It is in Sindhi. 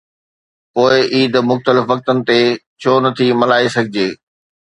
پوءِ عيد مختلف وقتن تي ڇو نٿي ملهائي سگهجي؟